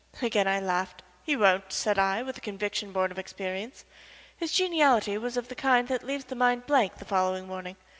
Again I laughed. "He won't," said I, with a conviction born of experience. "His geniality was of the kind that leaves the mind a blank the following morning.